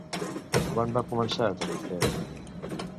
Quan va començar a tenir fe?